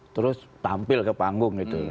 terus tampil ke panggung gitu